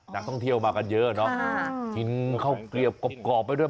นักท่องเที่ยวมากันเยอะเนอะกินข้าวเกลียบกรอบไปด้วย